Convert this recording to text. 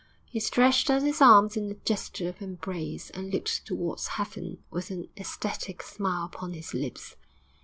He stretched out his arms in a gesture of embrace, and looked towards heaven with an ecstatic smile upon his lips.